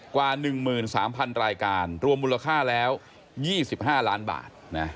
กว่า๑๓๐๐๐รายการรวมมูลค่าแล้ว๒๕ล้านบาท